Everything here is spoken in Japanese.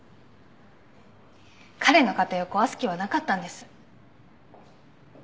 彼の家庭を壊す気はなかったんです。